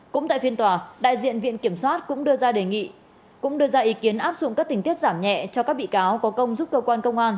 cũng tại phiên tòa đại diện viện kiểm soát cũng đưa ra ý kiến áp dụng các tình tiết giảm nhẹ cho các bị cáo có công giúp cơ quan công an